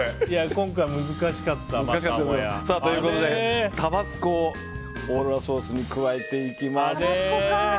今回、難しかった、またもや。ということで、タバスコをオーロラソースに加えていきます。